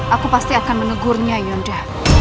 aku pasti akan menegurnya yonda